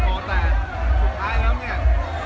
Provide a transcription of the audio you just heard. ส่วนใหญ่เลยครับ